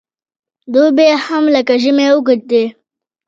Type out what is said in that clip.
دوبی هم لکه ژمی اوږد دی .